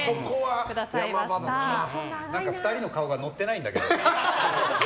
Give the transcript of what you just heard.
２人の顔が乗ってないんだけど。